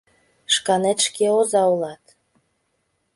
Шканет шке оза улат...